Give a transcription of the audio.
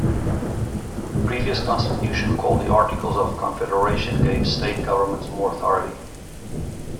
The previous constitution, called the Articles of Confederation, gave state governments more authority.